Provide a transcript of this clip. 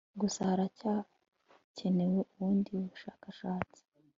gusa haracyakenewe ubundi bushakashatsi